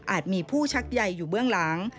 มีผู้ชักใยอยู่เบื้องหลัง